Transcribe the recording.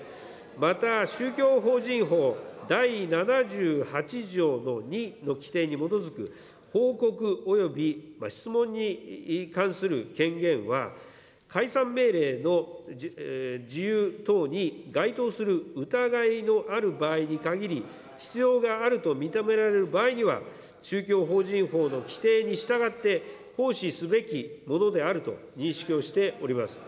また、宗教法人法第７８条の２の規定に基づく、報告および質問に関する権限は、解散命令の事由等に該当する疑いのある場合に限り、必要があると認められる場合には、宗教法人法の規定に従って行使すべきものであると認識をしております。